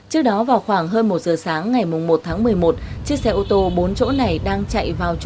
trước đó vào khoảng hơn một giờ sáng ngày một tháng một mươi một chiếc xe ô tô bốn chỗ này đang chạy vào trung tâm